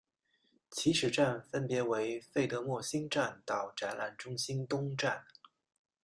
起始站分别为费德莫兴站到展览中心东站。